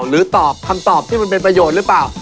หรือตอบคำตอบที่มันเป็นประโยชน์หรือเปล่า